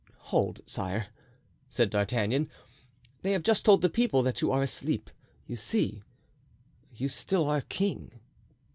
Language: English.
"Hold, sire," said D'Artagnan, "they have just told the people that you are asleep; you see, you still are king."